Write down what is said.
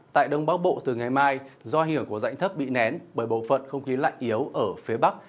tại đông bắc bộ từ ngày mai do hiểu của dạnh thấp bị nén bởi bộ phận không khí lạnh yếu ở phía bắc